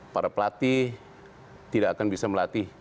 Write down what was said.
para pelatih tidak akan bisa melatih